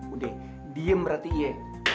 udah diem berarti iya